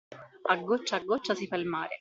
A goccia a goccia si fa il mare.